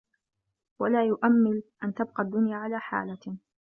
وَلَا يُؤَمِّلُ أَنْ تَبْقَى الدُّنْيَا عَلَى حَالَةٍ